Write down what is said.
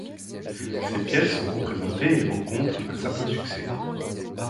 Ses pièces sont représentées et rencontrent un certain succès.